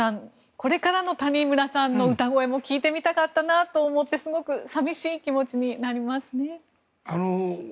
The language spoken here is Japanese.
これからの谷村さんの歌声も聴いてみたかったなと思ってすごく寂しい気持ちになりますね。